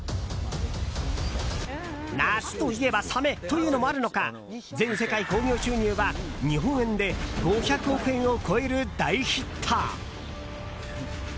夏といえばサメ！というのもあるのか全世界興行収入は日本円で５００億を超える大ヒット。